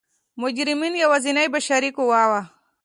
مجرمین یوازینۍ بشري قوه وه.